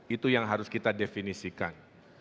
itu yang harus kita definisikan